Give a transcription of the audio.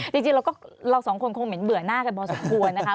จริงแล้วสองคนคงเหมือนเหมือนเปลือหน้ากันพอสมควร